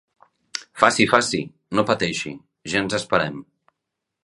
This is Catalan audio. Faci, faci. No pateixi, ja ens esperem.